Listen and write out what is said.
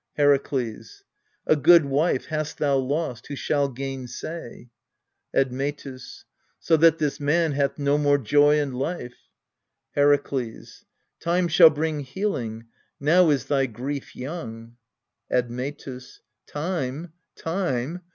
Herakles. A good wife hast thou lost, who shall gain say ? Admetus. So that this man hath no more joy in life. Herakles, Time shall bring healing : now is thy grief young. Admetus. Time time